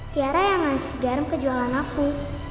tiara yang ngasih garam ke jualan aku